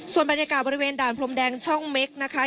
ส่วนบรรยากาศบริเวณด่านพรมแดงช่องเม็กนะคะ